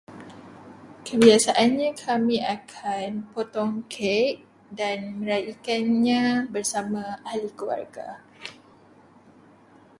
Kebiasaannya, kami akan potong kek dan meraikannya bersama ahli keluarga.